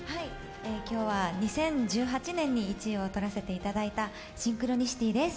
今日は２０１８年に１位を取らせていただいた「シンクロニシティ」です。